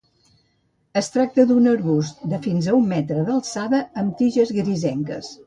Es tracta d'un arbust de fins a un metre d'alçada, amb tiges grisenques.